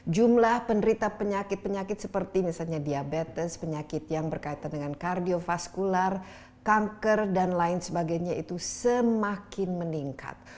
jumlah penerita penyakit penyakit seperti misalnya diabetes penyakit yang berkaitan dengan kardiofaskular kanker dan lain sebagainya itu semakin meningkat